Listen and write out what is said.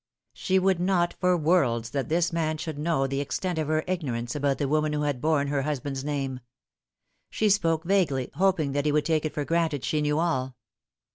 She would not for worlds that this man should know the extent of her ignorance about the woman who had borne her l\ asband's name. She spoke vaguely, hoping that he would take it for granted she knew all.